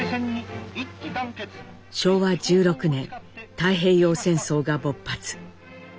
昭和１６年太平洋戦争が勃発。